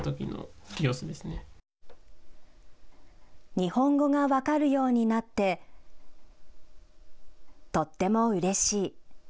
日本語が分かるようになってとってもうれしい。